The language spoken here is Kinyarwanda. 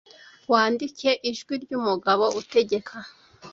wandike ijwi ryumugabo utegeka